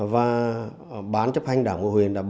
và bán chấp hành đảng bộ huyện